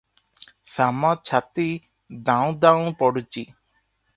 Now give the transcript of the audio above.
ଶାମ ଛାତି ଦାଉଁ ଦାଉଁ ପଡୁଛି ।